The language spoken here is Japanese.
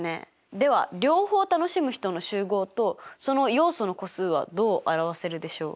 では両方楽しむ人の集合とその要素の個数はどう表せるでしょう？